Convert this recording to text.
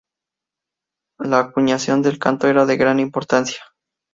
La acuñación del canto era de gran importancia.